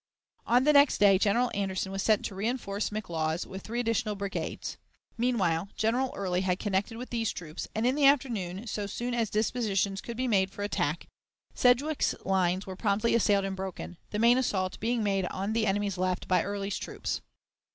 On the next day. General Anderson was sent to reënforce McLaws with three additional brigades. Meanwhile, General Early had connected with these troops, and in the afternoon, so soon as dispositions could be made for attack, Sedgwick's lines were promptly assailed and broken, the main assault being made on the enemy's left by Early's troops.